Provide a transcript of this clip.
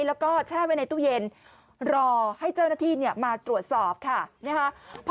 แล้วก็แช่ไว้ในตู้เย็นรอให้เจ้าหน้าที่มาตรวจสอบค่ะนะคะ